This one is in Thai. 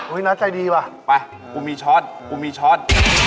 อุ๊ยน้าใจดีวะไปกูมีชอตกูมีชอต